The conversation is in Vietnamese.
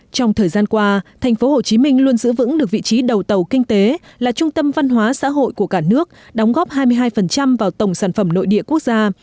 trong thời gian qua tp hcm luôn giữ vững được vị trí đầu tàu kinh tế là trung tâm văn hóa xã hội của cả nước đóng góp hai mươi hai vào tổng sản phẩm nội địa quốc gia